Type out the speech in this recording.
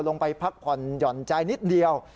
ลงไปพักผ่อนหย่อนใจนิดเดียว